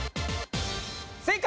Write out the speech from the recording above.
正解！